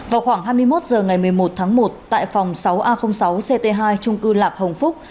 vào khoảng hai mươi một h ngày một mươi một tháng một tại phòng sáu a sáu ct hai trung cư lạc hồng phúc